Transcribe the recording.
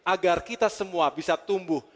agar kita semua bisa tumbuh